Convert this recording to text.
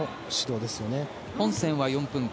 本戦は４分間。